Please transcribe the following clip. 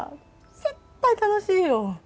絶対楽しいよ。